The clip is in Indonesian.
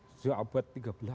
sejak abad tiga belas